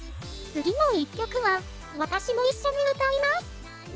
次の一曲は私も一緒に歌います！